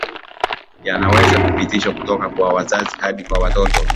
yaaweza kupitishwa kutoka kwa wazazi hadi kwa watoto